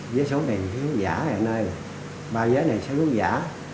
vé số này là vé số giả này anh ơi ba vé này là vé số giả